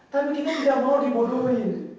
tapi kita tidak mau dibodohi